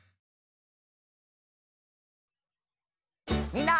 みんな！